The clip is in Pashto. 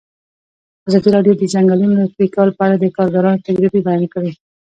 ازادي راډیو د د ځنګلونو پرېکول په اړه د کارګرانو تجربې بیان کړي.